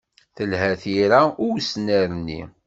Telha tira i usnerni.